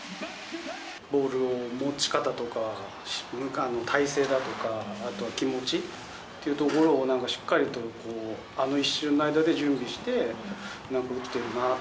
ボールの持ち方とか、体勢だとか、あと気持ちっていうところを、なんかしっかりとあの一瞬の間で準備して、なんか打ってるなって。